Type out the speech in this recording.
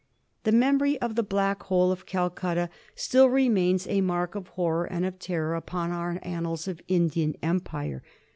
Tbe memory of tbe Blackbole of Calcutta still remains a mark of borror and of terror upon our annals of Indian empire.